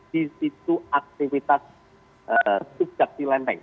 di situ aktivitas subjakti lembeng